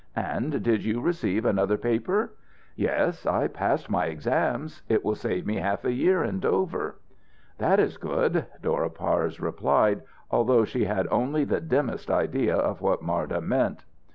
"And did you receive another paper?" "Yes. I passed my exams. It will save me half a year in Dover." "That is good," Dora Parse replied, although she had only the dimmest idea of what Marda meant.